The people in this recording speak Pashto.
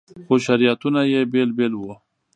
خو شریعتونه یې بېل بېل وو.